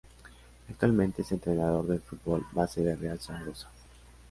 Actualmente es entrenador del fútbol base del Real Zaragoza.